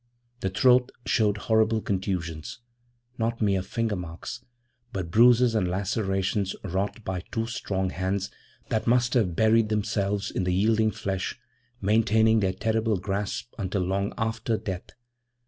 The throat showed horrible contusions; not mere finger marks, but bruises and lacerations wrought by two strong hands that must have buried themselves in the yielding flesh, maintaining their terrible grasp until long after death.